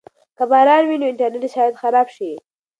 که باران وي نو انټرنیټ شاید خراب شي.